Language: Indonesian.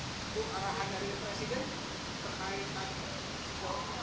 itu arahan dari presiden terkaitan korupan apa aja itu